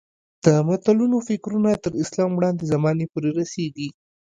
د متلونو فکرونه تر اسلام وړاندې زمانې پورې رسېږي